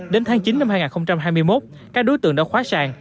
đến tháng chín năm hai nghìn hai mươi một các đối tượng đã khóa sàng